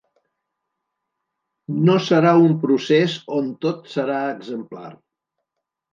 No serà un procés on tot serà exemplar.